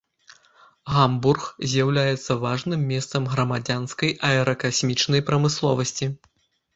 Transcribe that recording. Гамбург, з'яўляецца важным месцам грамадзянскай аэракасмічнай прамысловасці.